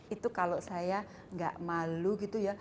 itu kalau saya nggak malu gitu ya